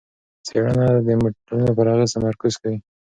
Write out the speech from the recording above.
څېړنه د موډلونو پر اغېز تمرکز کوي.